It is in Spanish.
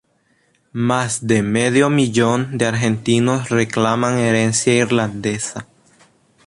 Más de medio millón de argentinos reclaman herencia irlandesa.